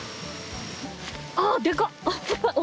ああでかっ！